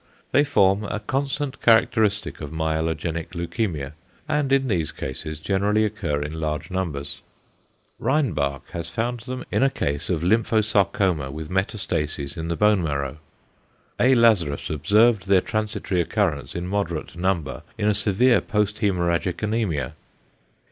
They form a constant characteristic of myelogenic leukæmia, and in these cases generally occur in large numbers. Reinbach has found them in a case of lymphosarcoma with metastases in the bone marrow. A. Lazarus observed their transitory occurrence in moderate number in a severe posthæmorrhagic anæmia.